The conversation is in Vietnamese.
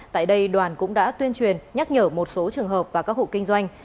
tại đây đoàn cũng đã tuyên truyền nhắc nhở một số trường hợp và các hộ kinh doanh